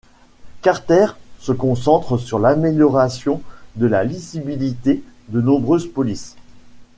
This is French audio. Carter se concentre sur l'amélioration de la lisibilité de nombreuses polices.